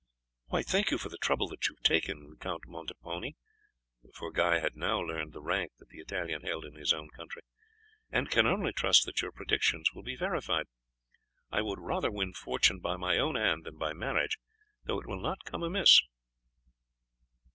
"I thank you for the trouble that you have taken, Count Montepone," for Guy had now learned the rank that the Italian held in his own country, "and can only trust that your predictions will be verified. I would rather win fortune by my own hand than by marriage, though it will not come amiss."